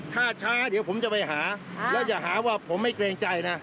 ถ้าช้าเดี๋ยวผมจะไปหาแล้วอย่าหาว่าผมไม่เกรงใจนะ